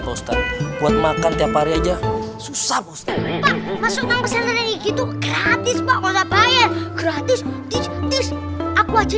kunanta tiap hari aja susah ustadz masuk nang pesantren gitu gratis pak nggak bayar gratis aku aja